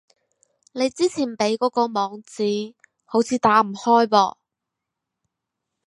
你之前畀嗰個網址，好似打唔開噃